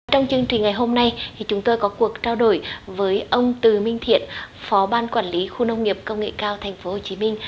trong chương trình ngày hôm nay chúng tôi có cuộc trao đổi với ông từ minh thiện phó ban quản lý khu nông nghiệp công nghệ cao tp hcm